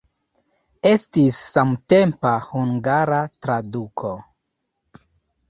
Estis samtempa hungara traduko.